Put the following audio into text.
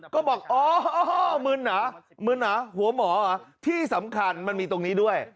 ก็บอกอ๋อมึนเหรอมึนเหรอหัวหมอเหรอที่สำคัญมันมีตรงนี้ด้วย